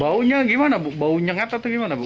baunya gimana bu bau nyengat atau gimana bu